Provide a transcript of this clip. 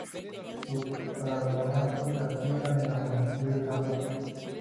Los carbonatos se aplican en multitud de campos.